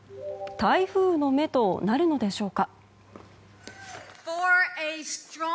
台風の目となるのでしょうか。